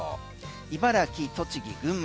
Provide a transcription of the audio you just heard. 茨城、栃木、群馬。